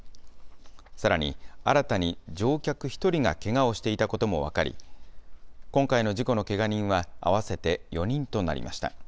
さらに、新たに乗客１人がけがをしていたことも分かり、今回の事故のけが人は合わせて４人となりました。